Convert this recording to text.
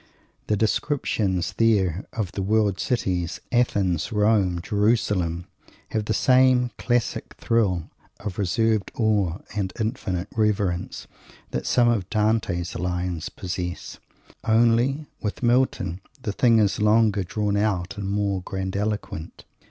The descriptions there of the world cities, Athens, Rome, Jerusalem, have the same classic thrill of reserved awe and infinite reverence that some of Dante's lines possess only, with Milton, the thing is longer drawn out and more grandiloquent.